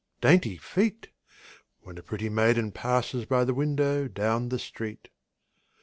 "Dainty feet!" When a pretty maiden passes By the window down the street.